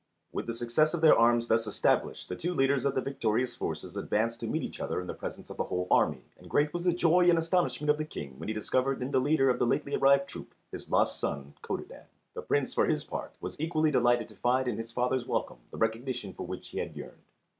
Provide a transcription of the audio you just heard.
With the success of their arms thus established the two leaders of the victorious forces advanced to meet each other in the presence of the whole army, and great was the joy and astonishment of the King when he discovered in the leader of the lately arrived troop his lost son Codadad. The Prince, for his part, was equally delighted to find in his father's welcome the recognition for which he had yearned.